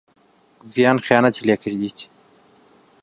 ڤیان خیانەتی لێ کردیت.